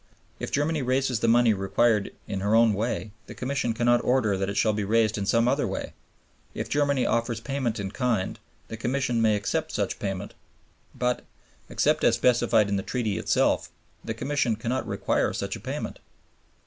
If Germany raises the money required in her own way, the Commission cannot order that it shall be raised in some other way; if Germany offers payment in kind, the Commission may accept such payment, but, except as specified in the Treaty itself, the Commission cannot require such a payment."